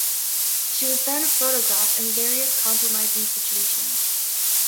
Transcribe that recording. She was then photographed in various compromising situations.